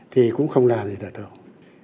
thì cũng không làm gì được đâu